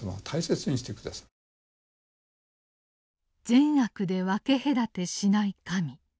善悪で分け隔てしない神。